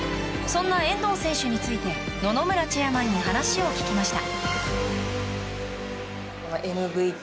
そんな遠藤選手について野々村チェアマンに話を聞きました。